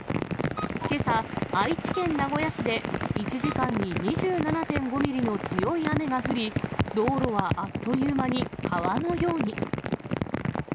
けさ、愛知県名古屋市で１時間に２７．５ミリの強い雨が降り、道路はあっという間に川のように。